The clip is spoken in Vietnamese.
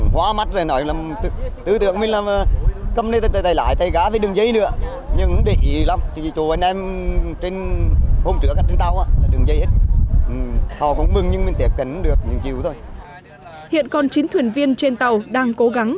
hiện còn chín thuyền viên trên tàu đang cố gắng